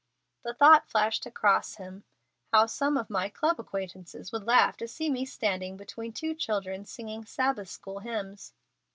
The thought flashed across him, "How some of my club acquaintances would laugh to see me standing between two children singing Sabbath school hymns!"